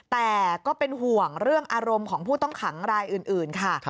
แต่ก็เป็นห่วงเรื่องอารมณ์ของผู้ต้องขังรายอื่นค่ะ